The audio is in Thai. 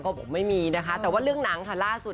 ก็บอกไม่มีนะคะแต่ว่าเรื่องหนังค่ะล่าสุด